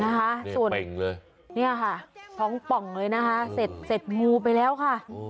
นะคะส่วนเป่งเลยเนี่ยค่ะท้องป่องเลยนะคะเสร็จเสร็จงูไปแล้วค่ะ